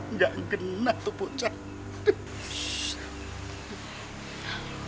nggak kena tuh pocah